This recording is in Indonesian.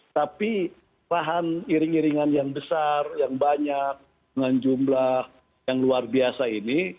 tapi lahan iring iringan yang besar yang banyak dengan jumlah yang luar biasa ini